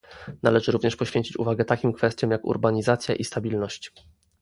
należy również poświęcić uwagę takim kwestiom, jak urbanizacja i stabilność